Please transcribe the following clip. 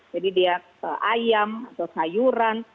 jadi dia ayam atau sayuran